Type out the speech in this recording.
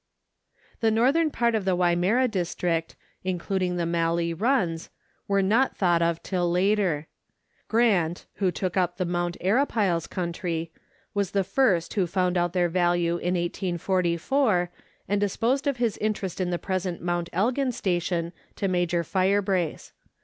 The northern part of the Wimmera district, including the mallee runs, were not thought of till later. Grant, who took up the Mount Arapiles country, was the first who found out their value in 1844, and disposed of his interest in the present Mount Elgin station to Major Firebrace.